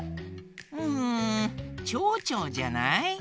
うん「ちょうちょう」じゃない？